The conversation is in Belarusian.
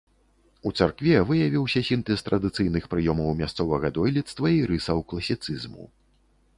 У царкве выявіўся сінтэз традыцыйных прыёмаў мясцовага дойлідства і рысаў класіцызму.